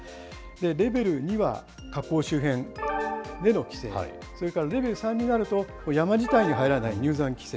レベル２は火口周辺での規制、それからレベル３になると、山自体に入らない入山規制。